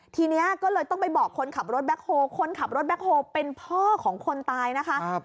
ทีนี้ก็เลยต้องไปบอกคนขับรถแบ็คโฮคนขับรถแบ็คโฮลเป็นพ่อของคนตายนะคะ